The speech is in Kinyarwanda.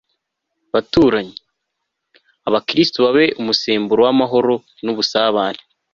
baturanyi. abakristu babe umusemburo w'amahoro n'ubusabane